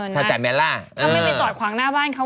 เขาไม่มีจอดขวางหน้าบ้านเขา